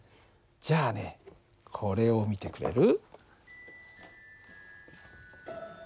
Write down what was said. じゃあねこれを見てくれる？